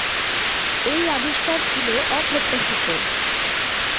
এই আবিষ্কার ছিল অপ্রত্যাশিত।